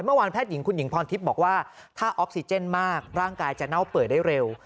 แพทย์หญิงคุณหญิงพรทิพย์บอกว่าถ้าออกซิเจนมากร่างกายจะเน่าเปื่อยได้เร็ว